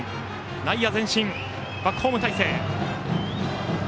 内野は前進、バックホーム態勢。